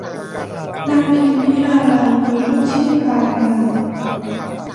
นางพิมพิลาไลยมีลูกชื่อพลายงาม